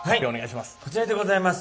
こちらでございます。